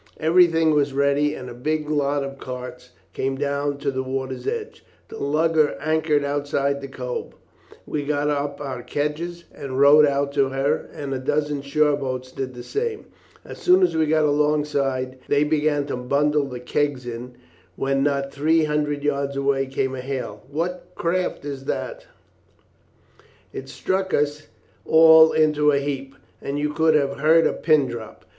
Everything was ready, and a big lot of carts came down to the water's edge. The lugger anchored outside the cove; we got up our kedges and rowed out to her, and a dozen shoreboats did the same. As soon as we got alongside they began to bundle the kegs in, when not three hundred yards away came a hail, 'What craft is that?' "It struck us all into a heap, and you could have heard a pin drop.